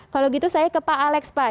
kalau gitu saya ke pak alex pak